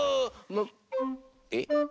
えっ？